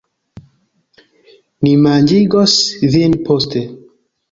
Mi manĝigos vin poste